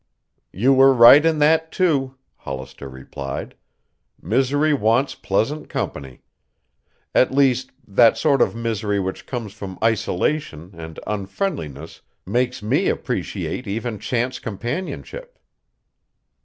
"You were right in that, too," Hollister replied. "Misery wants pleasant company. At least, that sort of misery which comes from isolation and unfriendliness makes me appreciate even chance companionship."